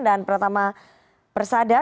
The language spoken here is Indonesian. dan pratama persada